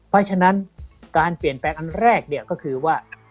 เพราะฉะนั้นการเปลี่ยนแปลงอันแรกเนี่ยก็คือว่า